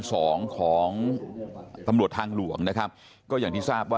ของตำรวจทางหลวงนะครับก็อย่างที่ทราบว่า